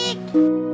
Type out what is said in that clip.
tegak di desa